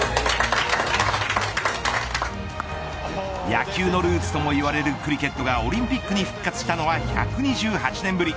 野球のルーツともいわれるクリケットがオリンピックに復活したのは１２８年ぶり。